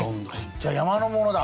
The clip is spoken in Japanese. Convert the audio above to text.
じゃあ山の物だ。